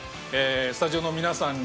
スタジオの皆さんのね